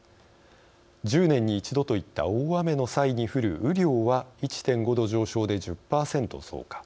１０年に一度といった大雨の際に降る雨量は１．５度上昇で１０％増加。